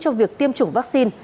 cho việc tiêm chủng vaccine